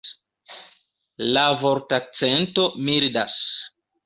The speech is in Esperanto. La vortakcento mildas.